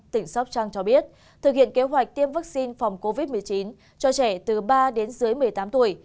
tỉnh sóc trăng cho biết thực hiện kế hoạch tiêm vaccine phòng covid một mươi chín cho trẻ từ ba đến dưới một mươi tám tuổi